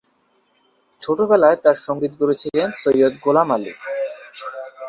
ছোটবেলায় তার সঙ্গীত গুরু ছিলেন সৈয়দ গোলাম আলী।